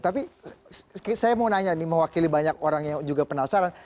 tapi saya mau nanya nih mewakili banyak orang yang juga penasaran